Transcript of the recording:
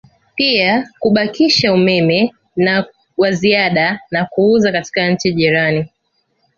Pia kubakisha umeme wa ziada na kuuza katika nchi jirani